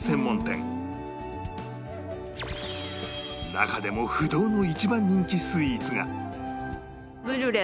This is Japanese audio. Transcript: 中でも不動の一番人気スイーツが